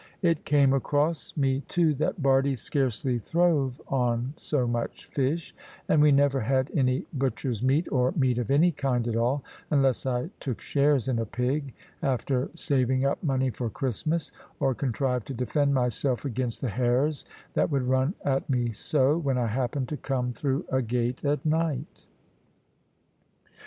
It came across me too that Bardie scarcely throve on so much fish; and we never had any butcher's meat, or meat of any kind at all, unless I took shares in a pig, after saving up money for Christmas, or contrived to defend myself against the hares that would run at me so, when I happened to come through a gate at night.